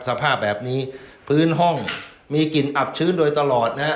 สภาพแบบนี้พื้นห้องมีกลิ่นอับชื้นโดยตลอดนะฮะ